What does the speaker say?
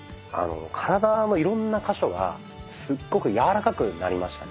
体のいろんな箇所がすっごく柔らかくなりましたね。